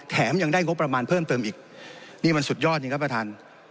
แถมยังได้งบประมาณเพิ่มเติมอีกนี่มันสุดยอดจริงครับประธาน